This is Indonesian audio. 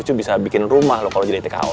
cucu bisa bikin rumah loh kalau jadi tkw